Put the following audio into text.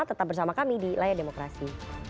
tetap bersama kami di layar demokrasi